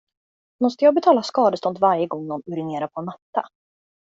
Måste jag betala skadestånd varje gång nån urinerar på en matta?